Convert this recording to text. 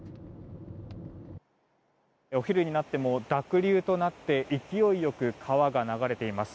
お昼になっても濁流となって勢いよく川が流れています。